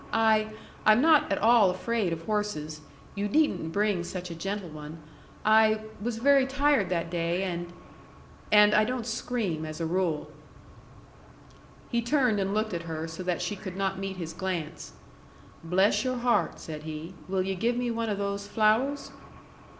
"I I'm not at all afraid of horses. You needn't bring such a gentle one. I was very tired that day, and and I don't scream as a rule." He turned and looked at her so that she could not meet his glance. "Bless your heart!" said he. "Will yu' give me one o' those flowers?"